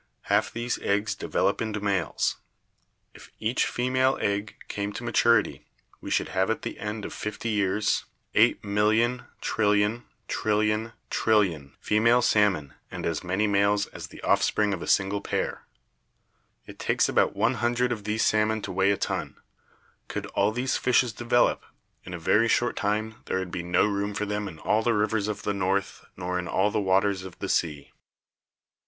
Half these eggs develop into males. If each female egg came to maturity, we should have at the end of fifty years 8,000,000,000,000,000, 000,000,000,000,000,000,000,000,000 female salmon and as many males as the offspring of a single pair. It takes about one hundred of these salmon to weigh a ton. Could all these fishes develop, in a very short time there would be no room for them in all the rivers of the North nor in all the waters of the sea."